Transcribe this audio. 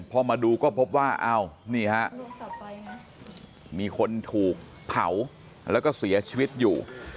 พอมาดูก็พบว่าอ้าวนี่ฮะมีคนถูกเผาแล้วก็เสียชีวิตอยู่